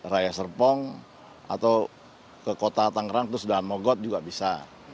raya serpong atau ke kota tangerang terus dan mogot juga bisa